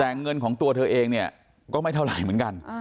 แต่เงินของตัวเธอเองเนี่ยก็ไม่เท่าไหร่เหมือนกัน